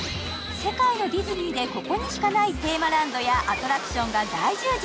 世界のディズニーでここにしかないテーマランドやアトラクションが大充実。